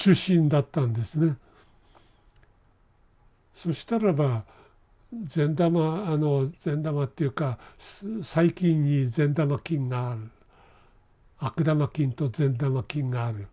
そしたらば善玉あの善玉っていうか細菌に善玉菌がある悪玉菌と善玉菌がある。